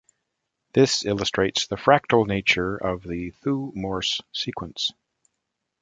This illustrates the fractal nature of the Thue-Morse Sequence.